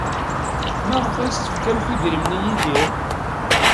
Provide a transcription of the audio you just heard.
Maɣef ay as-tefkamt idrimen i Yidir?